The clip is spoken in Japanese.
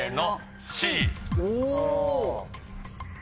お。